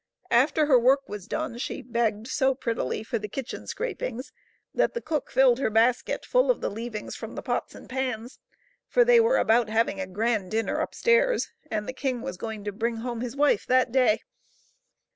After her work was done she begged so prettily for the kitchen scrapings that the cook filled her basket full of the leavings from the pots and the pans, for they were about having a grand dinner up stairs and the king was going to bring home his wife that day.